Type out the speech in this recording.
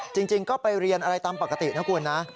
จริงก็ไปเรียนอะไรตามปกตินะคุณนะ